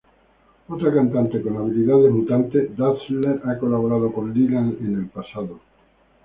Otra cantante con habilidades mutantes, Dazzler, ha colaborado con Lila en el pasado.